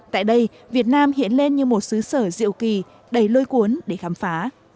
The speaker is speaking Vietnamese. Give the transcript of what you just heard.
tại đây việt nam hiện lên như một xứ sở diệu kỳ đầy lôi cuốn để khám phá